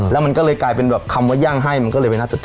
แล้วมันก็เลยกลายเป็นแบบคำว่าย่างให้มันก็เลยไม่น่าจะเจอ